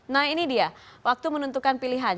nah ini dia waktu menentukan pilihan